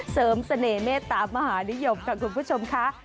เซิร์มเสน่ห์เมตตามมหานิยมขอบคุณผู้ชมค่ะ